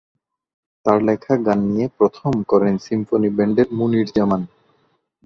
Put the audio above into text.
তার লেখা গান নিয়ে প্রথম করেন সিম্ফনি ব্যান্ডের মুনির জামান।